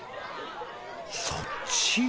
そっち。